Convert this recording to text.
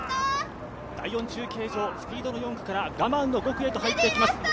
第４中継所、スピードの４区から我慢の５区へと入ってきます。